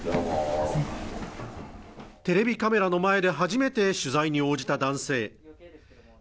テレビカメラの前で初めて取材に応じた男性